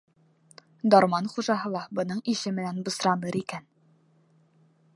Дарман хужаһы ла бының ише менән бысраныр икән...